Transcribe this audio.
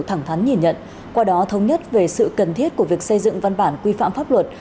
thẳng thắn nhìn nhận qua đó thống nhất về sự cần thiết của việc xây dựng văn bản quy phạm pháp luật